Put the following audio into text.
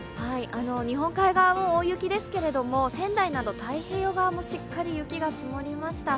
日本海側も大雪ですけど仙台など太平洋側もしっかり雪が積もりました。